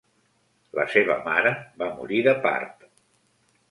La seva mare va morir de part.